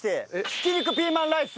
ひき肉ピーマンライス！